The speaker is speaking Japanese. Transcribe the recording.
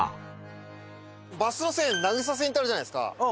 バス路線名草線ってあるじゃないですか。